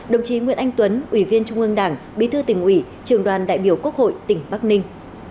đồng chí nguyễn anh tuấn ubnd bí thư tỉnh ủy trường đoàn đại biểu quốc hội tỉnh bắc ninh